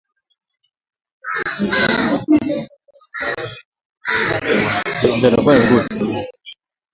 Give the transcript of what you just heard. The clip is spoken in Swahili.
Washambuliaji wasiojulikana waliokuwa na silaha wamewaua wanajeshi kumi na mmoja wa Burkina Faso na kuwajeruhi wengine wanane katika mkoa wa Est